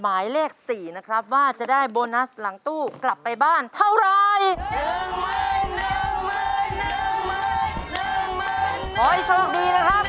หมายเลข๔นะครับว่าจะได้โบนัสหลังตู้กลับไปบ้านเท่าไรนะครับ